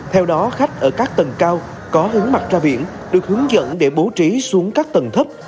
theo đó khách ở các tầng cao có hướng mặt ra biển được hướng dẫn để bố trí xuống các tầng thấp